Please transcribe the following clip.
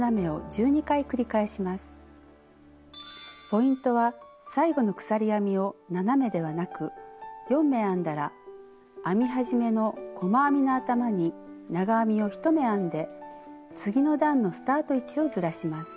ポイントは最後の鎖編みを７目ではなく４目編んだら編み始めの細編みの頭に長編みを１目編んで次の段のスタート位置をずらします。